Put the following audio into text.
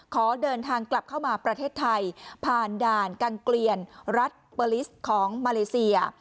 ขอเดินทางกลับเข้ามาประเทศไทยผ่านด่านกังเกลียนรัฐเบอร์ลิสของมาเลเซีย